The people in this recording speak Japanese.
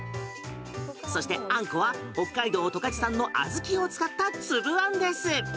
そして、あんこは北海道十勝産の小豆を使った粒あんです。